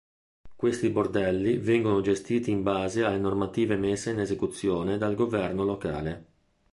Questi bordelli vengono gestiti in base alle normative messe in esecuzione dal governo locale.